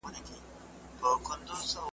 د نن سبا په هیله `